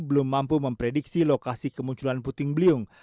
belum mampu memprediksi lokasi kemunculan puting beliung